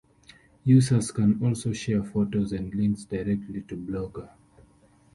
Users can also share photos and links directly to Blogger.